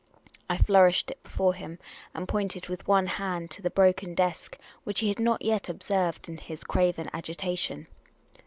I flourished it before him, and pointed with one hand to the broken desk, which he had not yet observed in his craven agitation.